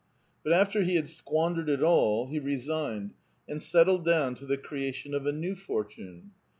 But after he had squandered it all, be resigned, and settled down to the creation of a new fortune.